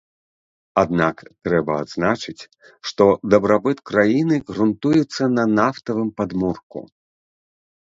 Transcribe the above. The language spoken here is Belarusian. Аднак трэба адзначыць, што дабрабыт краіны грунтуецца на нафтавым падмурку.